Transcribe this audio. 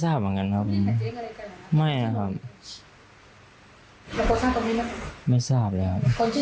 จนเป็นร่างระบายอะไรหรือครองพวกนี้